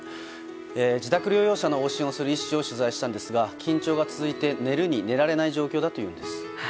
自宅療養者の往診をする医師を取材したんですが緊張が続いて寝るに寝られない状況だといいます。